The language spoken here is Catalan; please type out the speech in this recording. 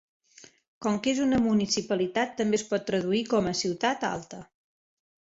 Com que és una municipalitat, també es pot traduir com a "ciutat alta".